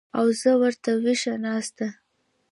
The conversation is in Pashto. او زه وېښه ورته ناسته